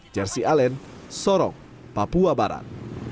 jersi alen sorong papua barat